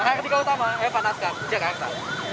pak artika utama eva naskar jakarta